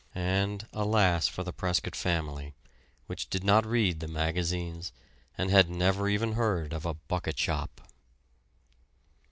And, alas! for the Prescott family, which did not read the magazines and had never even heard of a "bucket shop"!